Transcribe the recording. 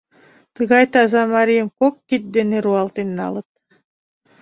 Тыгай таза марийым кок кид дене руалтен налыт.